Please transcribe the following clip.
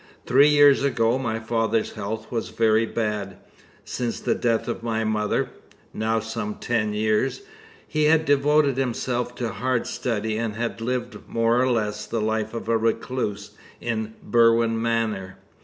Three years ago my father's health was very bad. Since the death of my mother now some ten years he had devoted himself to hard study, and had lived more or less the life of a recluse in Berwin Manor.